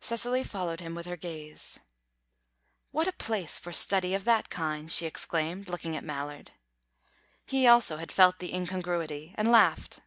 Cecily followed him with her gaze. "What a place for study of that kind!" she exclaimed, looking at Mallard. He also had felt the incongruity, and laughed.